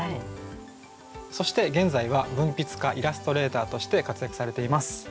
そして現在は文筆家・イラストレーターとして活躍されています。